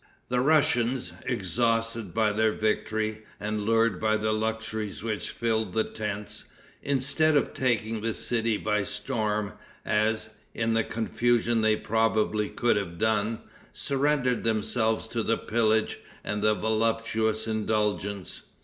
The Russians, exhausted by their victory, and lured by the luxuries which filled the tents, instead of taking the city by storm, as, in the confusion they probably could have done, surrendered themselves to pillage and voluptuous indulgence.